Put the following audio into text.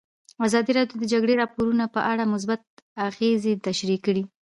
ازادي راډیو د د جګړې راپورونه په اړه مثبت اغېزې تشریح کړي.